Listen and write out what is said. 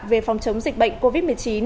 về phòng chống dịch bệnh covid một mươi chín